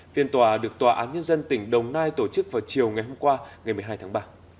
phiên tòa được tòa án nhân dân tỉnh đồng nai tổ chức vào chiều ngày hôm qua ngày một mươi hai tháng ba